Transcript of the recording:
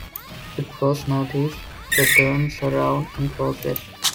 It flows northeast, then turns around and flows west.